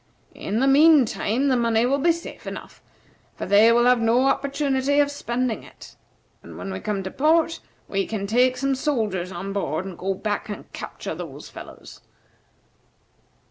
In the mean time the money will be safe enough, for they will have no opportunity of spending it; and when we come to port, we can take some soldiers on board, and go back and capture those fellows.